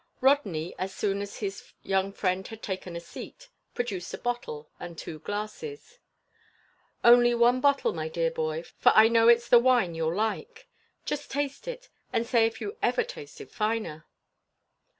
Rodney, as soon as his young friend had taken a seat, produced a bottle, and two glasses. "Only one bottle, my dear boy; for I know its the wine you'll like. Just taste it, and say if you ever tasted finer."